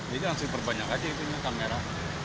jadi langsung diperbanyak aja itu dengan kamera